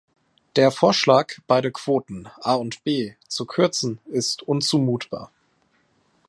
Der Vorschlag, beide Quoten, A und B, zu kürzen, ist unzumutbar.